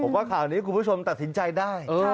ว่าข่าวนี้คุณผู้ชมตัดสินใจได้